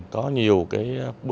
có nhiều cái